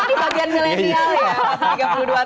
ini bagian milenial ya